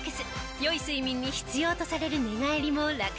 良い睡眠に必要とされる寝返りもラクチン。